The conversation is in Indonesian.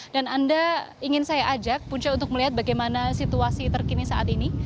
dan anda ingin saya ajak punce untuk melihat bagaimana situasi terkini saat ini